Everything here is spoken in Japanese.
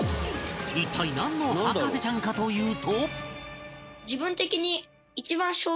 一体なんの博士ちゃんかというと